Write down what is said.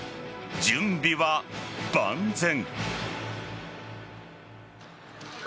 準備は万全。